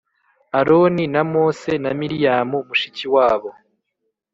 Aroni na Mose na Miriyamu mushiki wabo